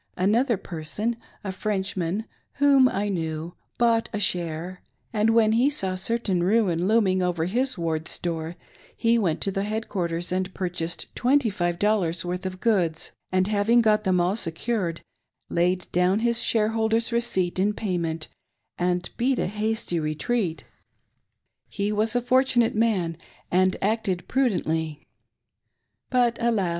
Another person — a French man, whom I knew — bought a share, and when he saw certain ruin looming over his Ward store, he wenttto the headquarters and ^purchased twenty five dollars' worth of goods, and having got them all secured, laid down his shareholders' receipt in payment and beat a hasty retreat. He was a fortunate man and acted prudently, but Alas